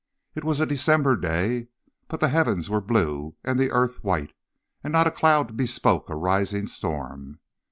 It was a December day, but the heavens were blue and the earth white, and not a cloud bespoke a rising storm.